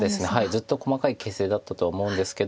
ずっと細かい形勢だったとは思うんですけど。